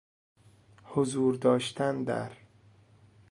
حضور داشتن در